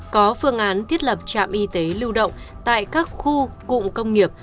có phương án thiết lập trạm y tế lưu động tại các khu cụm công nghiệp